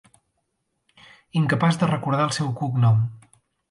Incapaç de recordar el seu cognom.